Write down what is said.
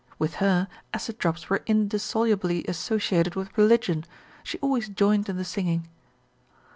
With her, acid drops were indissolubly associated with religion: she always joined in the singing.